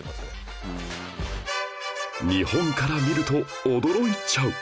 日本から見ると驚いちゃう